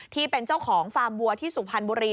ที่เป็นเจ้าของฟาร์มวัวที่สุพรรณบุรี